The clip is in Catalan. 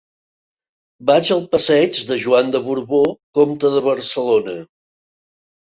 Vaig al passeig de Joan de Borbó Comte de Barcelona.